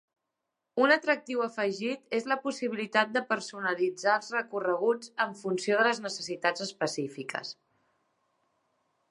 Un atractiu afegit és la possibilitat de personalitzar els recorreguts en funció de les necessitats específiques.